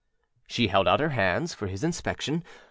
â She held out her hands for his inspection.